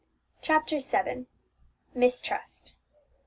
CHAPTER VII. MISTRUST.